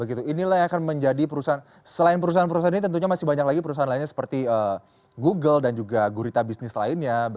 inilah yang akan menjadi perusahaan selain perusahaan perusahaan ini tentunya masih banyak lagi perusahaan lainnya seperti google dan juga gurita bisnis lainnya